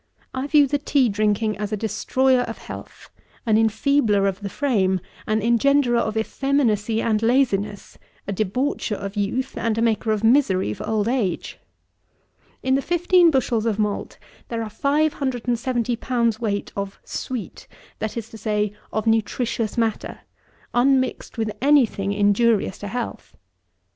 I view the tea drinking as a destroyer of health, an enfeebler of the frame, an engenderer of effeminacy and laziness, a debaucher of youth, and a maker of misery for old age. In the fifteen bushels of malt there are 570 pounds weight of sweet; that is to say, of nutricious matter, unmixed with any thing injurious to health.